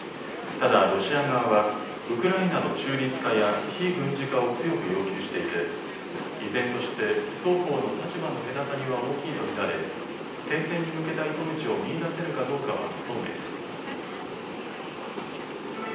ただロシア側はウクライナの中立化や非軍事化を強く要求していて依然として双方の立場の隔たりは大きいと見られ停戦に向けた糸口を見いだせるかどうかは不透明です。